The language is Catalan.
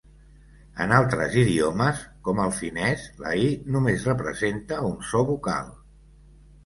En altres idiomes, com el finès, la "y" només representa un so vocal.